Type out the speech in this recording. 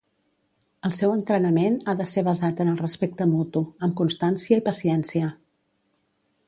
El seu entrenament ha de ser basat en el respecte mutu, amb constància i paciència.